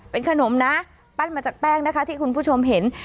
เป็นขนมนะปั้นมาจากแป้งนะคะที่คุณผู้ชมเห็น